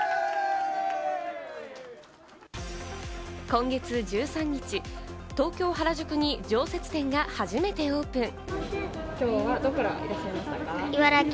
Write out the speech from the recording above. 今月１３日、東京・原宿に常設店が初めてオープン。